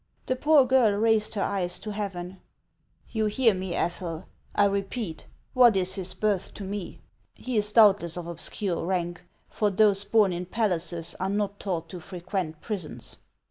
The poor girl raised her eyes to heaven. " You hear me, Ethel ! I repeat, what is his birth to me ? He is doubtless of obscure rank, for those born in palaces are not taught to frequent prisons.